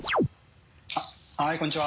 はいこんにちは。